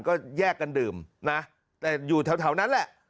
ก็แยกกันดื่มนะแต่อยู่แถวนั้นแหละ